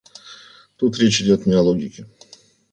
Тут речь идет не о логике.